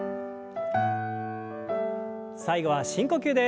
最後は深呼吸です。